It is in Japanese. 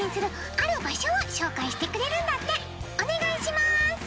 お願いします！